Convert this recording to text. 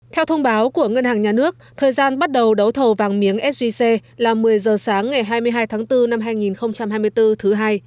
theo thông báo của ngân hàng nhà nước thời gian bắt đầu đấu thầu vàng miếng sgc là một mươi giờ sáng ngày hai mươi hai tháng bốn năm hai nghìn hai mươi bốn thứ hai